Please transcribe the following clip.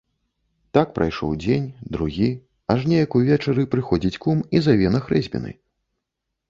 Так прайшоў дзень, другі, аж неяк увечары прыходзіць кум і заве на хрэсьбіны.